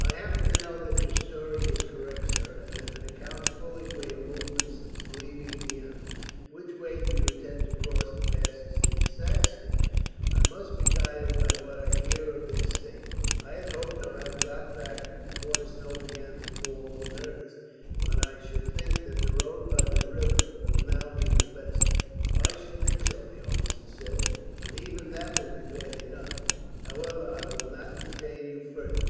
"I happen to know that your story is correct, sir, and that it accounts fully for your movements since leaving Vienna. Which way do you intend to cross the passes into Saxony?" "I must be guided by what I hear of their state. I had hoped to have got back before the snow began to fall in earnest, but I should think that the road by the river will now be the best." "I should think so," the officer said, "but even that will be bad enough. However, I will not detain you farther."